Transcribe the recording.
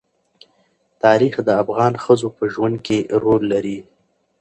تاریخ د افغان ښځو په ژوند کې رول لري.